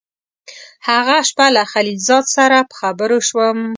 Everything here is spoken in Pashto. هغه شپه له خلیل زاده سره په خبرو شوم.